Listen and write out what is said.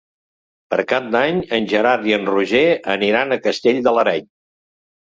Per Cap d'Any en Gerard i en Roger iran a Castell de l'Areny.